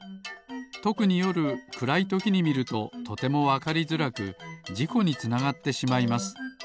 とくによるくらいときにみるととてもわかりづらくじこにつながってしまいます。